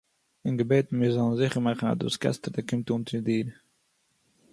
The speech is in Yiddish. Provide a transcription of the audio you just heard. און געבעטן מיר זאָלן זיכער מאַכן אַז דאָס קעסטעלע קומט אָן צו דיר